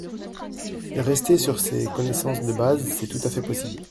Rester sur ces connaissances de base, c’est tout à fait possible.